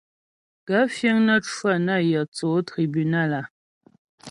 Gaə̂ fíŋ nə́ cwə nə yə̂ tsó tribúnal a ?